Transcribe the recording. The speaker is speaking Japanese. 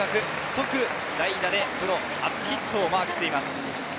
即代打でプロ初ヒットをマークしています。